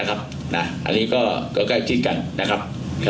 อันนี้ก็ใกล้ชิดกันนะครับ